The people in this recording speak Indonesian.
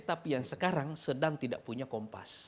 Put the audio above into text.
tapi yang sekarang sedang tidak punya kompas